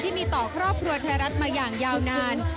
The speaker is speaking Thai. ที่มีต่อครอบครัวไทยรัฐมาอย่างยาวนาน